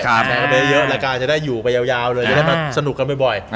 ก็จะได้อยู่ไปยาวสนุกกันไม่บ่อย